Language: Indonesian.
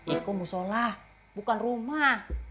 itu musolah bukan rumah